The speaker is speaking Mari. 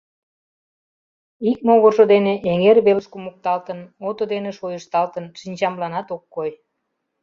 Ик могыржо дене эҥер велыш кумыкталтын, ото дене шойышталтын, шинчамланат ок кой.